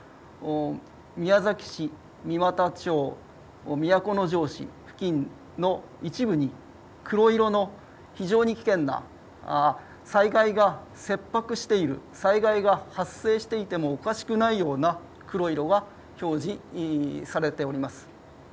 宮崎市、三股町、都城市付近の一部に黒色の非常に危険な災害が切迫している、災害が発生していてもおかしくないような黒色が表示されております。